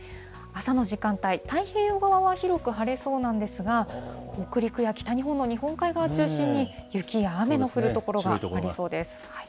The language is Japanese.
朝の時間帯、太平洋側は広く晴れそうなんですが、北陸や北日本の日本海側を中心に、雪や雨の降る所がありそうです。